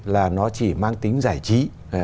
là nó chỉ mang tính giải trí